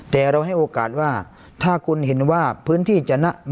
แต่เราให้โอกาสว่าถ้าคุณเห็นว่าพื้นที่จะนะ